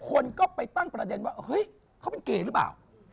คุณก็สามารถเช็คดวงของคุณได้ด้วย